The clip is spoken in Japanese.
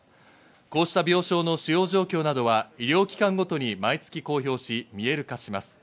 こうした病床の使用状況などは医療機関ごとに毎月公表し見える化します。